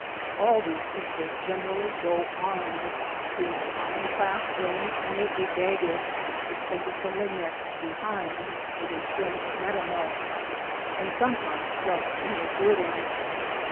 All these people generally go armed, the com mon class wearing only a dagger suspended from their neck behind, with a string of metamelih, and gometiraes thrust in their girdles.